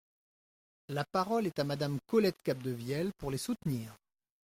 La parole est à Madame Colette Capdevielle, pour les soutenir.